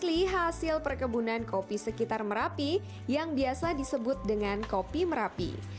asli hasil perkebunan kopi sekitar merapi yang biasa disebut dengan kopi merapi